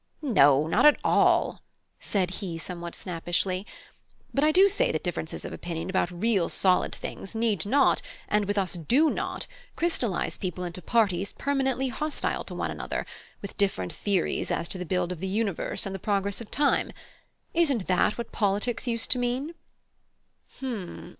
"No, not at all," said he, somewhat snappishly; "but I do say that differences of opinion about real solid things need not, and with us do not, crystallise people into parties permanently hostile to one another, with different theories as to the build of the universe and the progress of time. Isn't that what politics used to mean?"